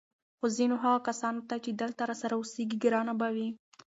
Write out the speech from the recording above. خو ځینو هغه کسانو ته چې دلته راسره اوسېږي ګرانه به وي